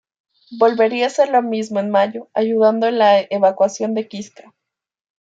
Volvería a hacer lo mismo en mayo, ayudando en la evacuación de Kiska.